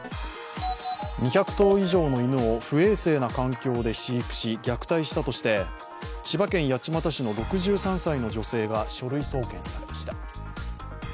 ２００頭以上の犬を不衛生な環境で飼育し虐待したとして千葉県八街市の６３歳の女性が書類送検されました。